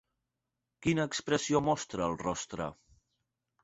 Quina expressió mostra el rostre?